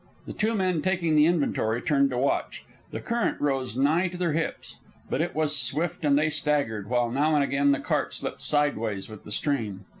The two men taking the inventory turned to watch. The current rose nigh to their hips, but it was swift and they staggered, while now and again the cart slipped sideways with the stream.